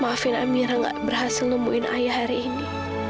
maafin amirah gak berhasil nungguin ayah hari ini